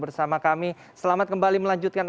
bersama kami selamat kembali melanjutkan